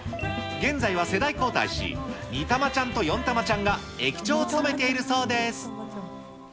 現在は世代交代し、ニタマちゃんとよんたまちゃんが駅長を務めているそうです。